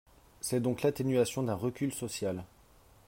C’est donc l’atténuation d’un recul social.